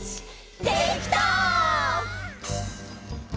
「できた！」